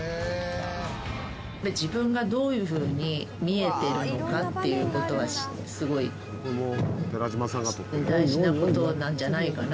自分がどういうふうに見えてるのかっていう事はすごい大事な事なんじゃないかなと思って。